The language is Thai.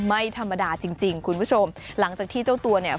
ไม่ธรรมดาจริงจริงคุณผู้ชมหลังจากที่เจ้าตัวเนี่ย